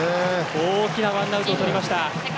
大きなワンアウトをとりました。